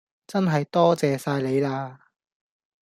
真系多謝晒你啦